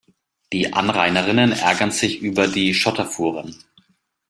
Die Anrainerinnen ärgern sich über die Schotterfuhren.